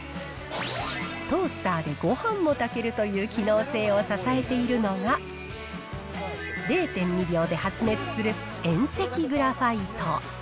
トースターでごはんも炊けるという機能性を支えているのが、０．２秒で発熱する遠赤グラファイト。